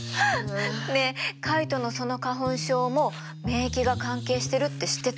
ねえカイトのその花粉症も免疫が関係してるって知ってた？